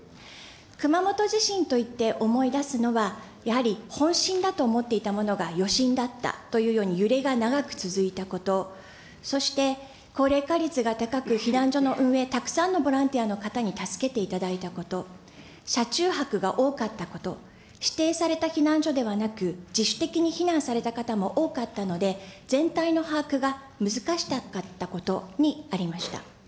熊本地震といって思い出すのはやはり本震だと思っていたものが余震だったというように、揺れが長く続いたこと、そして、高齢化率が高く、避難所の運営、たくさんのボランティアの方に助けていただいたこと、車中泊が多かったこと、指定された避難所ではなく、自主的に避難された方も多かったので、全体の把握が難しかったことにありました。